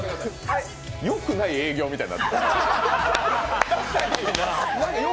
よくない営業みたいになってた。